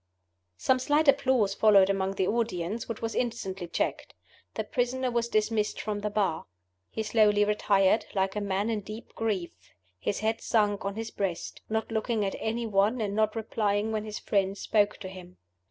Some slight applause followed among the audience, which was instantly checked. The prisoner was dismissed from the Bar. He slowly retired, like a man in deep grief: his head sunk on his breast not looking at any one, and not replying when his friends spoke to him.